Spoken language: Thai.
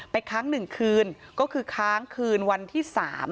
ค้าง๑คืนก็คือค้างคืนวันที่๓